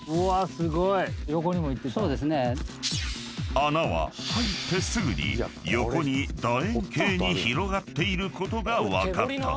［穴は入ってすぐに横に楕円形に広がっていることが分かった］